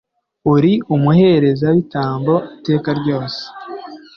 uri umuherezabitambo iteka ryose